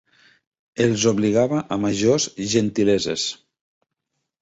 Els obligava a majors gentileses